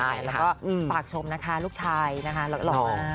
แล้วก็ฝากชมนะคะลูกชายนะคะหล่อมาก